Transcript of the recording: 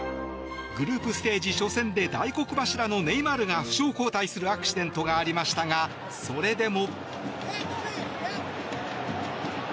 グループステージ初戦で大黒柱のネイマールが負傷交代するアクシデントがありましたがそれでも。